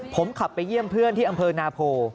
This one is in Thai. ผมขับไปเยี่ยมเพื่อนที่อำเภอนาโพ